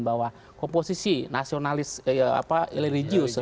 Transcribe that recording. bahwa komposisi nasionalis